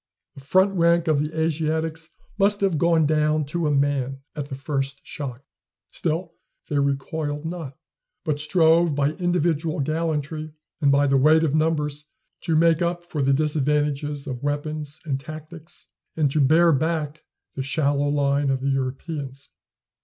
The front rank of the Asiatics must have gone down to a man at the first shock. Still they recoiled not, but strove by individual gallantry and by the weight of numbers to make up for the disadvantages of weapons and tactics, and to bear back the shallow line of the Europeans.